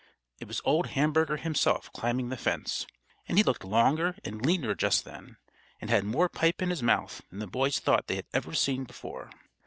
It was old Hamburger himself climbing the fence, and he looked longer and leaner just then, and had more pipe in his mouth, than the boys thought they had ever seen before.